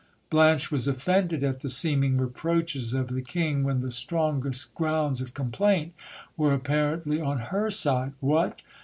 Blanche was offended at the seeming reproaches of the king, when the strongest grounds of complaint were apparently on her side. "What